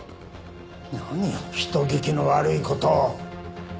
何を人聞きの悪い事を。